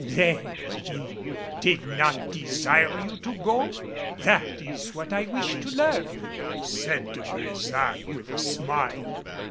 "Then he did not desire you to go? That is what I wished to learn," said De Brésac with a smile.